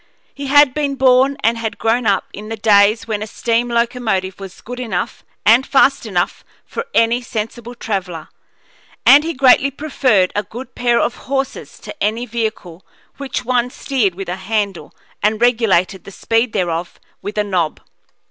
He had been born and had grown up in the days when a steam locomotive was good enough and fast enough for any sensible traveller, and he greatly preferred a good pair of horses to any vehicle which one steered with a handle and regulated the speed thereof with a knob.